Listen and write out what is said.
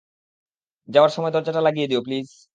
যাওয়ার সময় দরজাটা লাগিয়ে দিও।